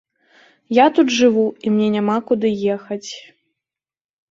Я тут жыву і мне няма куды ехаць.